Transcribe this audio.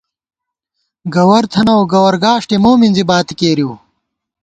گوَر تھنَؤ ، گوَر گاݭٹے مو مِنزِی باتی کېرِؤ